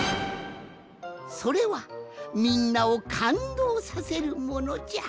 それはみんなをかんどうさせるものじゃ。